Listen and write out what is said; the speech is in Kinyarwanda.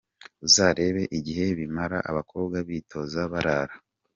Uzarebe igihe bimara abakobwa bitoza, barara.